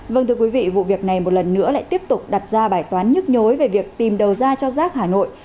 vâng thưa quý vị vụ việc này một lần nữa lại tiếp tục đặt ra bài toán nhức nhối về việc tìm đầu ra cho rác hà nội